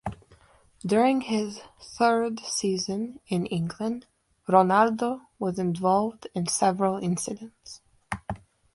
During his third season in England, Ronaldo was involved in several incidents.